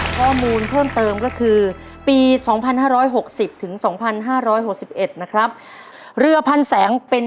ขอให้ถูกเท่านั้น